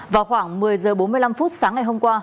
vào khoảng một mươi h bốn mươi năm sáng ngày hôm qua